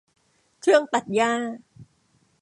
เครื่องตัดหญ้า